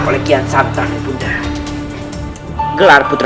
pertama kali aku mau pergi